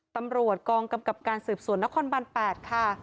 ตำรวจกองกำกับการสืบสวนนครบัน๘ค่ะ